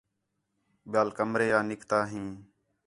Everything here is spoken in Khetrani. ٻِیال کمرے آ نِکتا ہیں